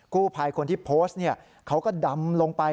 กู้ภัยคนที่โพสต์เขาก็ดำลงไป